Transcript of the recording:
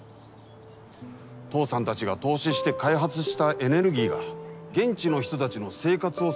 父さんたちが投資して開発したエネルギーが現地の人たちの生活を支えて。